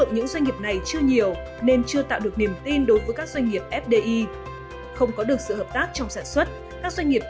nhưng hiện nay việc họ thực hiện trên đất nước này rất ít